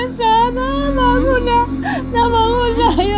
nama aku gak ya allah